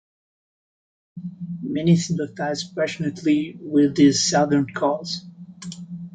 Many sympathized passionately with the Southern cause.